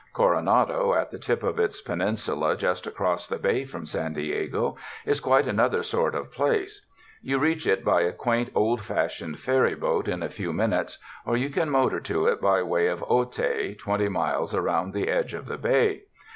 Coronado, at the tip of its peninsula just across the bay from San Diego, is quite another sort of place. You reach it by a quaint old fashioned ferry boat in a few minutes, or you can motor to it by way of Otay, twenty miles, around the edge of the bay.